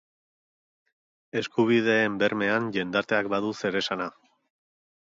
Eskubideen bermean jendarteak badu zeresana.